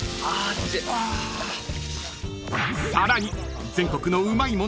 ［さらに］